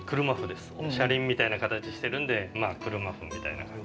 車輪みたいな形してるんで車麩みたいな。